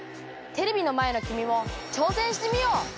テレビの前のきみも挑戦してみよう！